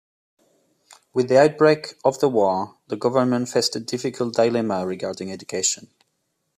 With the outbreak of the war, the government faced a difficult dilemma regarding education.